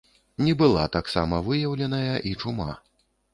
Не была таксама выяўленая і чума.